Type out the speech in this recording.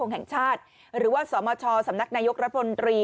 แห่งชาติหรือว่าสมชสำนักนายกรัฐมนตรี